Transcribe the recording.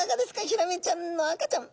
ヒラメちゃんの赤ちゃん。